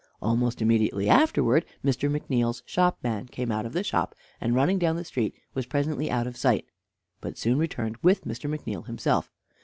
Almost immediately afterwards Mr. McNeal's shopman came out of the shop, and, running down the street, was presently out of sight, but soon returned with Mr. McNeal himself.